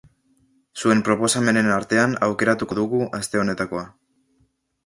Zuen proposamenen artean aukeratuko dugu aste honetakoa.